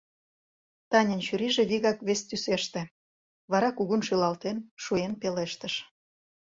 Танян чурийже вигак вестӱсеште, вара, кугун шӱлалтен, шуэн пелештыш: